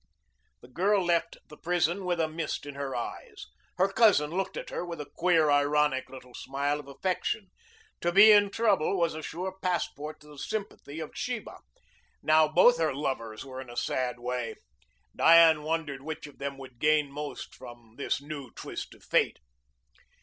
The girl left the prison with a mist in her eyes. Her cousin looked at her with a queer, ironic little smile of affection. To be in trouble was a sure passport to the sympathy of Sheba. Now both her lovers were in a sad way. Diane wondered which of them would gain most from this new twist of fate.